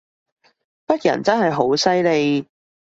北人真係好犀利